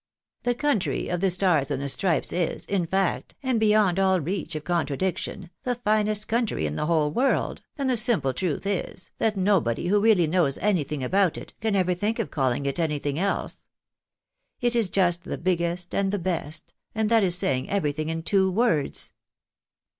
' The country of the Stars and the Stripes is, in fact, and beyond all reach of contradiction, the finest country in the whole world, and the simple truth is, that nobody who really knows anything about it, can ever think of calling it anything else. It is just the biggest and the best, and that is saying everything in two words."